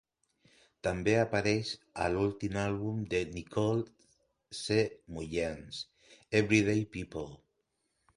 També apareix a l'últim àlbum de Nicole C. Mullens, "Everyday People".